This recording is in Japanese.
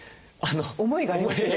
思いがありますね。